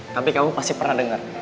tapi kamu pasti pernah dengar